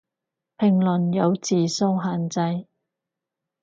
評論有字數限制